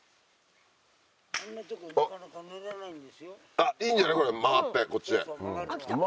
あっいいんじゃないこれ曲がってこっちへ。